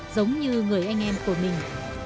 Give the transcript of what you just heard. giống như người anh em của mình